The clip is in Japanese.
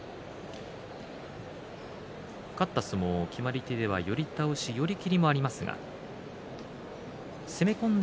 勝った相撲は決まり手では寄り倒し、寄り切りもありますが攻め込んだ